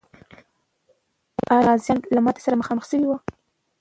آیا غازیان له ماتي سره مخامخ سوي و؟